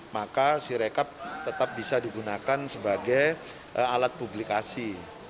maka sirekap tetap bisa digunakan sebagai alat publikasi